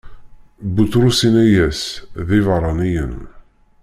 Buṭrus inna-as: D ibeṛṛaniyen.